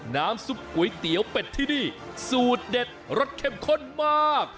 น้ำซุปก๋วยเตี๋ยวเป็ดที่นี่สูตรเด็ดรสเข้มข้นมาก